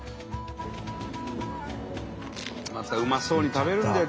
またうまそうに食べるんだよ